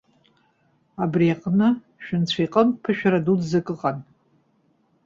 Абри аҟны шәынцәа иҟынтә ԥышәара дуӡӡак ыҟан.